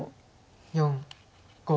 ４５。